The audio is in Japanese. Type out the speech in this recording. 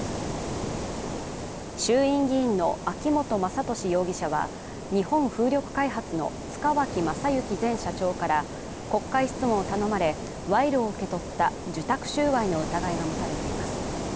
衆院議員の秋本真利容疑者は、日本風力開発の塚脇正幸前社長から国会質問を頼まれ、賄賂を受け取った受託収賄の疑いが持たれています。